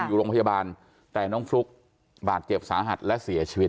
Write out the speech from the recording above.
อยู่โรงพยาบาลแต่น้องฟลุ๊กบาดเจ็บสาหัสและเสียชีวิต